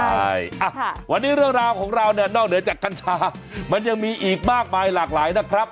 ใช่วันนี้เรื่องราวของเราเนี่ยนอกเหนือจากกัญชามันยังมีอีกมากมายหลากหลายนะครับ